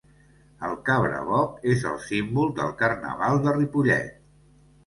El Cabraboc és el símbol del carnaval de Ripollet.